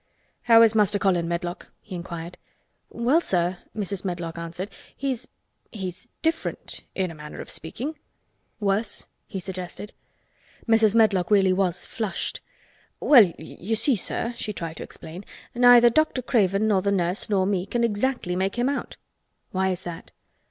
"How is Master Colin, Medlock?" he inquired. "Well, sir," Mrs. Medlock answered, "he's—he's different, in a manner of speaking." "Worse?" he suggested. Mrs. Medlock really was flushed. "Well, you see, sir," she tried to explain, "neither Dr. Craven, nor the nurse, nor me can exactly make him out." "Why is that?"